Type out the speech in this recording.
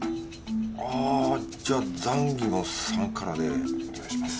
あじゃあザンギも３辛でお願いします。